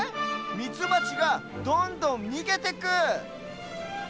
ミツバチがどんどんにげてく！